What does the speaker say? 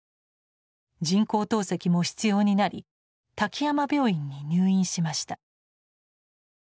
人工透析も必要になり滝山病院に入院しました。